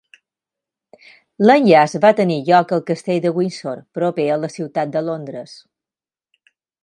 L'enllaç va tenir lloc al Castell de Windsor, proper a la ciutat de Londres.